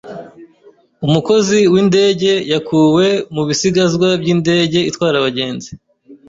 Umukozi w’indege yakuwe mu bisigazwa by’indege itwara abagenzi